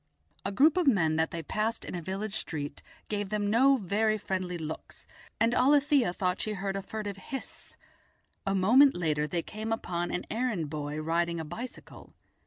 A group of men that they passed in a village street gave them no very friendly looks, and Alethia thought she heard a furtive hiss; a moment later they came upon an errand boy riding a bicycle.